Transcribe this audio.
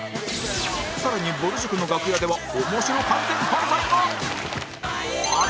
さらにぼる塾の楽屋ではオモシロ完全犯罪が！